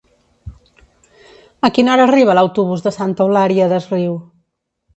A quina hora arriba l'autobús de Santa Eulària des Riu?